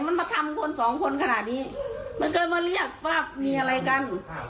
มันมาทำคนสองคนขนาดนี้มันก็เลยมาเรียกว่ามีอะไรกัน